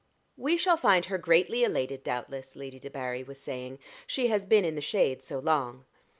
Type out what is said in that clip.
"We shall find her greatly elated, doubtless," Lady Debarry was saying. "She has been in the shade so long."